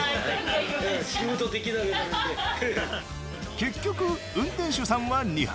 結局運転手さんは２杯。